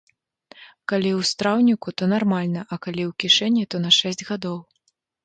Калі ў страўніку, то нармальна, а калі ў кішэні, то на шэсць гадоў.